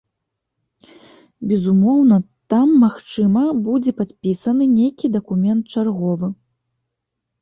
Безумоўна, там, магчыма, будзе падпісаны нейкі дакумент чарговы.